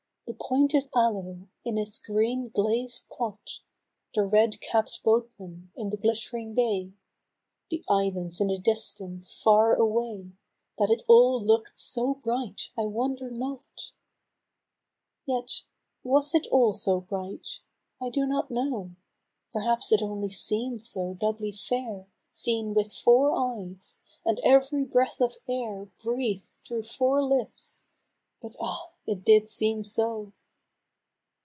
The pointed aloe, in its green glazed pot, The red capp'd boatmen in the glitt'ring bay. The islands in the distance, far away, That it all look'd so bright I wonder not \ Yet was it all so bright ? I do not know ; Perhaps it only seem'd so doubly fair Seen with four eyes, and ev'ry breath of air Breathed through four Hps, but ah! it did seem so